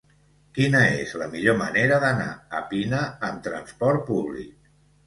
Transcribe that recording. Quina és la millor manera d'anar a Pina amb transport públic?